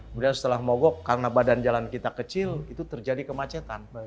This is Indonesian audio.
kemudian setelah mogok karena badan jalan kita kecil itu terjadi kemacetan